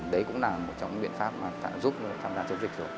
đấy cũng là một trong những biện pháp giúp tham gia công cuộc chống dịch